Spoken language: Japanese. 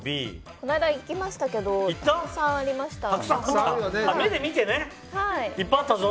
この間行きましたけどたくさんありました。